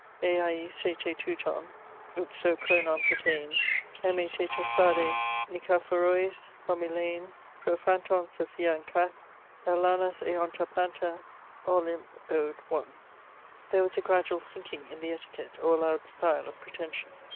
Eiae se te touton upsou chronon patein, eme te tossade nikaphorois omilein, prophanton sophian kath' El lanas eonta panta. OLYMP. OD. I. there was a gradual sinking in the etiquette or allowed style of pretension.